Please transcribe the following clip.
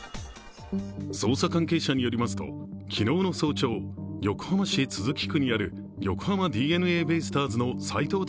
捜査関係者によりますと、昨日の早朝、横浜市都筑区にある横浜ＤｅＮＡベイスターズの斎藤隆